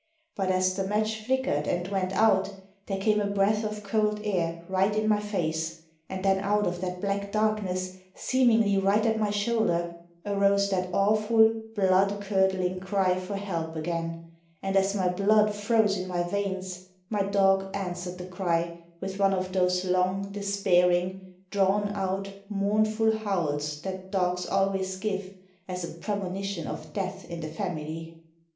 But as the match flickered and went out there came a breath of cold air right in my face, and then out of that black darkness, seemingly right at my shoulder, arose that awful blood curdling cry for help again, and as my blood froze in my veins my dog answered the cry with one of those long, despairing, drawn out, mournful howls that dogs always give as a premonition of death in the family.